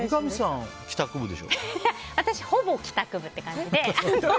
私、ほぼ帰宅部という感じで。